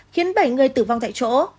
khiến bảy người tử vong tại chỗ